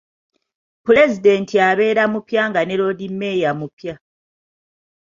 Pulezidenti abeere mupya nga ne Loodimmeeya mupya.